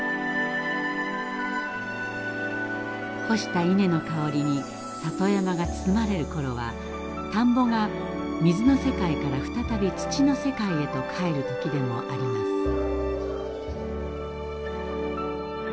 干した稲の香りに里山が包まれるころは田んぼが水の世界から再び土の世界へとかえる時でもあります。